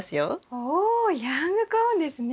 おヤングコーンですね。